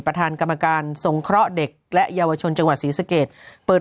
ประธานกรรมการสงเคราะห์เด็กและเยาวชนจังหวัดศรีสเกตเปิด